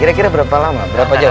kira kira berapa lama berapa jam